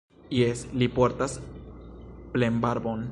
Jes, li portas plenbarbon.